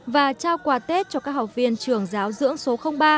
và trao quà tết cho các học viên trường giáo dưỡng số ba